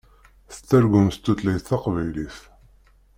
Tettargumt s tutlayt taqbaylit.